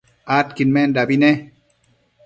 adquidmendabi ne